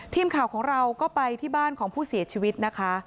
ทีมข่าวของเราก็ไปที่บ้านของผู้เสียชีวิตนะคะ